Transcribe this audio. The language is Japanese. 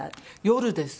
夜です。